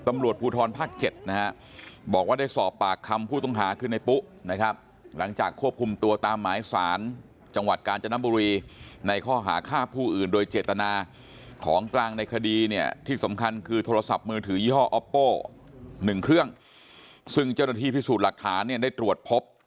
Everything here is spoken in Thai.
แม่ขอความยุติธรรมความเป็นธรรมให้กับแม่เขาด้วย